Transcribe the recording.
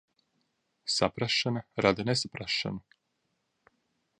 Saprašana rada nesaprašanu.